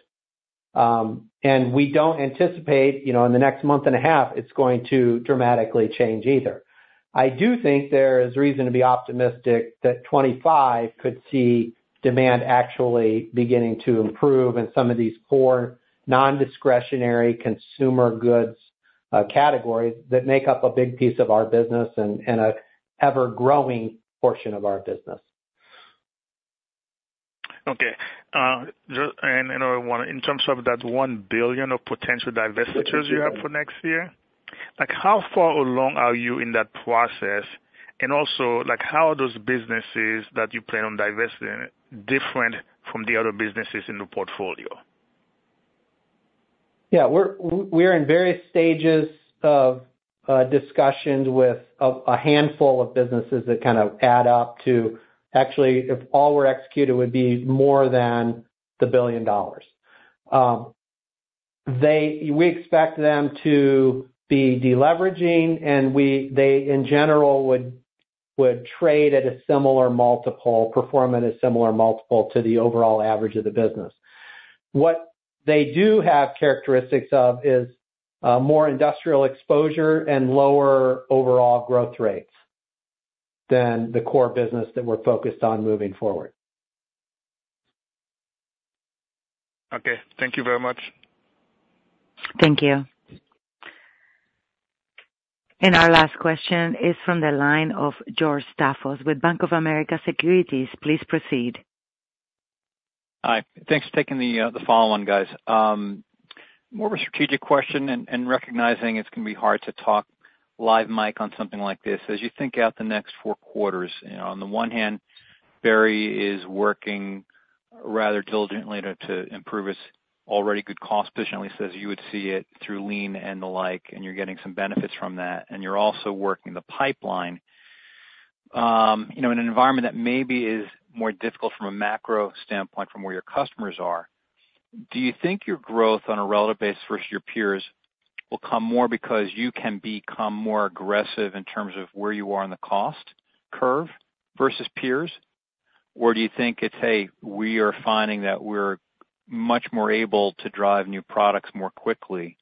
and we don't anticipate, you know, in the next month and a half, it's going to dramatically change either. I do think there is reason to be optimistic that 2025 could see demand actually beginning to improve in some of these core, non-discretionary consumer goods categories that make up a big piece of our business and a ever-growing portion of our business. Okay, just and another one, in terms of that $1 billion of potential divestitures you have for next year, like how far along are you in that process? And also, like, how are those businesses that you plan on divesting different from the other businesses in the portfolio? Yeah, we're in various stages of discussions with a handful of businesses that kind of add up to actually, if all were executed, would be more than $1 billion. They, we expect them to be deleveraging, and they, in general, would trade at a similar multiple, perform at a similar multiple to the overall average of the business. What they do have characteristics of is more industrial exposure and lower overall growth rates than the core business that we're focused on moving forward. Okay, thank you very much. Thank you. Our last question is from the line of George Staphos with Bank of America Securities. Please proceed. Hi. Thanks for taking the, the follow on, guys. More of a strategic question and, and recognizing it's gonna be hard to talk live mic on something like this. As you think out the next four quarters, you know, on the one hand, Berry is working rather diligently to improve its already good cost position, at least as you would see it, through lean and the like, and you're getting some benefits from that, and you're also working the pipeline. You know, in an environment that maybe is more difficult from a macro standpoint, from where your customers are, do you think your growth on a relative basis versus your peers will come more because you can become more aggressive in terms of where you are on the cost curve versus peers? Or do you think it's, "Hey, we are finding that we're much more able to drive new products more quickly,"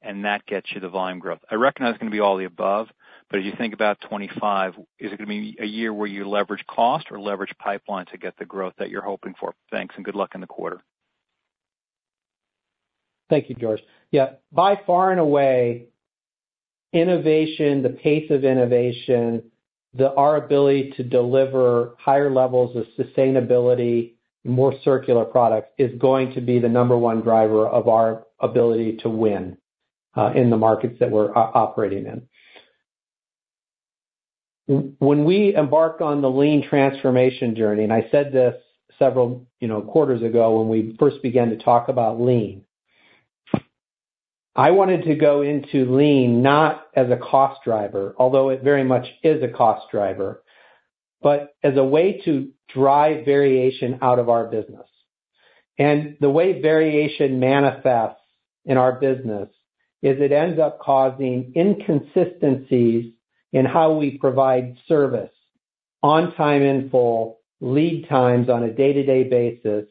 and that gets you the volume growth? I recognize it's gonna be all the above, but as you think about 2025, is it going to be a year where you leverage cost or leverage pipeline to get the growth that you're hoping for? Thanks, and good luck in the quarter. Thank you, George. Yeah, by far and away, innovation, the pace of innovation, the our ability to deliver higher levels of sustainability, more circular products, is going to be the number one driver of our ability to win in the markets that we're operating in. When we embarked on the Lean transformation journey, and I said this several, you know, quarters ago when we first began to talk about lean. I wanted to go into lean not as a cost driver, although it very much is a cost driver, but as a way to drive variation out of our business. And the way variation manifests in our business is it ends up causing inconsistencies in how we provide service on time, in full, lead times on a day-to-day basis,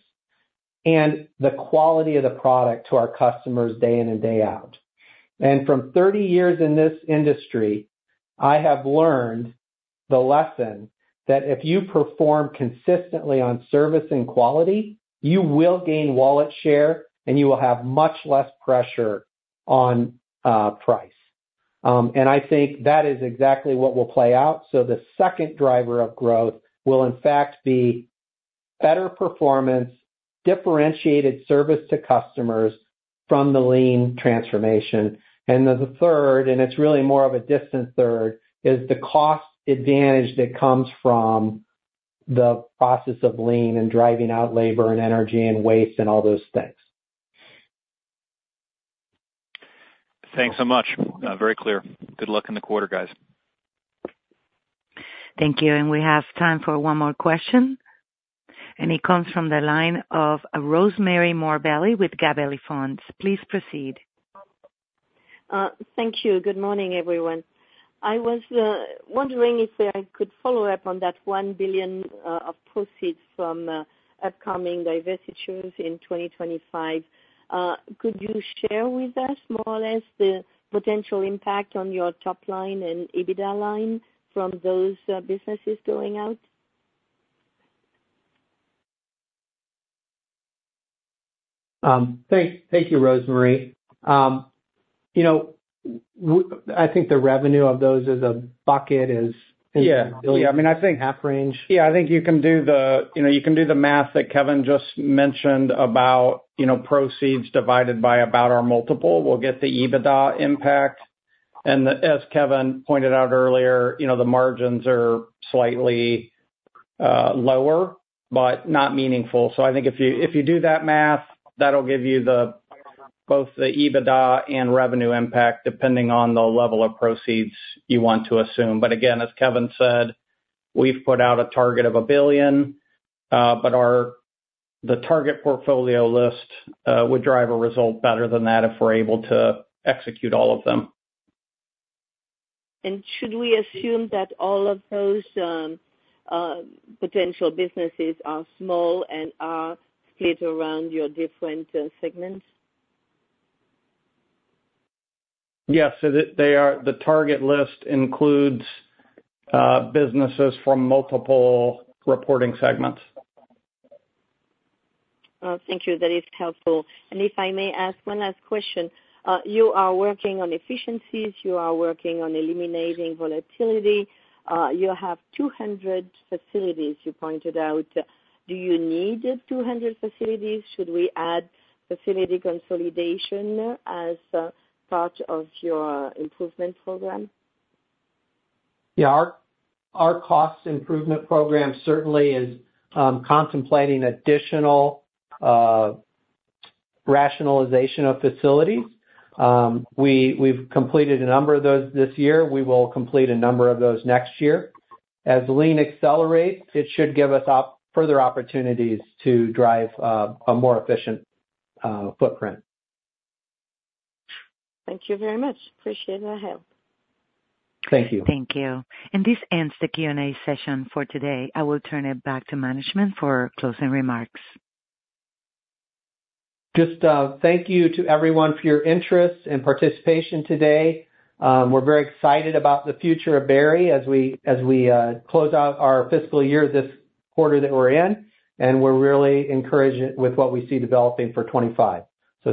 and the quality of the product to our customers day in and day out. And from 30 years in this industry, I have learned the lesson that if you perform consistently on service and quality, you will gain wallet share, and you will have much less pressure on, price. And I think that is exactly what will play out. So the second driver of growth will in fact be better performance, differentiated service to customers from the Lean transformation. And then the third, and it's really more of a distant third, is the cost advantage that comes from the process of Lean and driving out labor and energy and waste and all those things. Thanks so much. Very clear. Good luck in the quarter, guys. Thank you, and we have time for one more question, and it comes from the line of Rosemarie Morbelli with Gabelli Funds. Please proceed. Thank you. Good morning, everyone. I was wondering if I could follow up on that $1 billion of proceeds from upcoming divestitures in 2025. Could you share with us more or less the potential impact on your top line and EBITDA line from those businesses going out? Thank you, Rosemarie. You know, I think the revenue of those as a bucket is. Yeah. Yeah. I mean, I think. Half range. Yeah, I think you can do the, you know, you can do the math that Kevin just mentioned about, you know, proceeds divided by about our multiple. We'll get the EBITDA impact, and as Kevin pointed out earlier, you know, the margins are slightly lower, but not meaningful. So I think if you, if you do that math, that'll give you the, both the EBITDA and revenue impact, depending on the level of proceeds you want to assume. But again, as Kevin said, we've put out a target of $1 billion, but our--the target portfolio list would drive a result better than that if we're able to execute all of them. Should we assume that all of those potential businesses are small and are split around your different segments? Yes, so the target list includes businesses from multiple reporting segments. Thank you. That is helpful. If I may ask one last question. You are working on efficiencies, you are working on eliminating volatility. You have 200 facilities, you pointed out. Do you need 200 facilities? Should we add facility consolidation as part of your improvement program? Yeah, our, cost improvement program certainly is contemplating additional rationalization of facilities. We, we've completed a number of those this year. We will complete a number of those next year. As Lean accelerates, it should give us further opportunities to drive a more efficient footprint. Thank you very much. Appreciate the help. Thank you. Thank you. This ends the Q&A session for today. I will turn it back to management for closing remarks. Just, thank you to everyone for your interest and participation today. We're very excited about the future of Berry as we close out our fiscal year, this quarter that we're in, and we're really encouraged with what we see developing for 2025.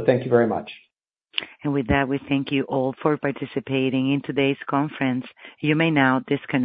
Thank you very much. With that, we thank you all for participating in today's conference. You may now disconnect.